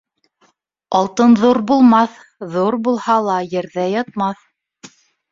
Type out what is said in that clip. Алтын ҙур булмаҫ, ҙур булһа ла ерҙә ятмаҫ.